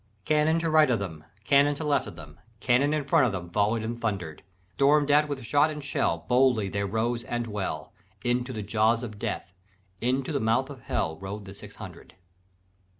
"Cannon to right of them, Cannon to left of them, Cannon in front of them Volley'd and thunder'd; Storm'd at with shot and shell, Boldly they rode and well, Into the jaws of Death, Into the mouth of Hell Rode the six hundred.